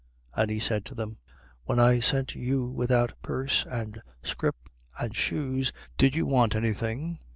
And he said to them: 22:35. When I sent you without purse and scrip and shoes, did you want anything?